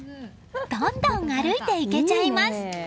どんどん歩いていけちゃいます。